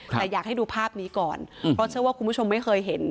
แต่อยากให้ดูภาพนี้ก่อนเพราะเชื่อว่าคุณผู้ชมไม่เคยเห็น